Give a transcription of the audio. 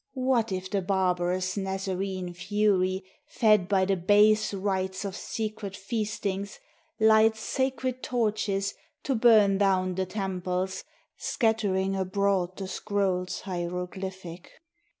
What if the barbarous Nazarene fury, Fed by the base rites Of secret feastings, Lights sacred torches To burn down the temples, Scattering abroad The scrolls hieroglyphic?